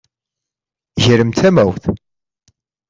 Gremt tamawt!